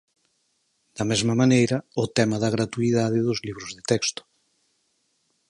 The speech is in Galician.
Da mesma maneira, o tema da gratuidade dos libros de texto.